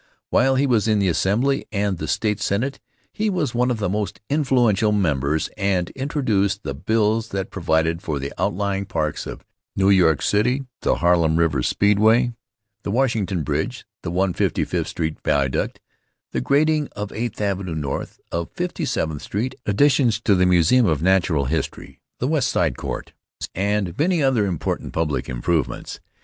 While he was in the Assembly and the State Senate he was one of the most influential members and introduced the bills that provided for the outlying parks of New York City, the Harlem River Speedway, the Washington Bridge, the 155th Street Viaduct, the grading of Eighth Avenue north of Fifty seventh Street, additions to the Museum of Natural History, the West Side Court, and many other important public improvements.